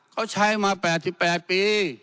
เขาใช้มา๘๘ปี